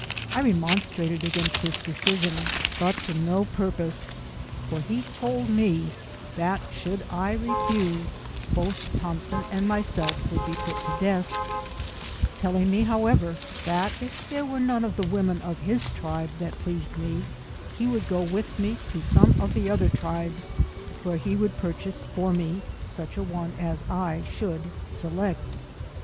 I remon strated against this decision, but to no purpose, for he told me that should I refuse, both Thompson and myself would be put to death, telling me however, that if there were none of the women of his tribe that pleased me, he would go with me to some of the other tribes, where he would purchase for me such a one as I should select.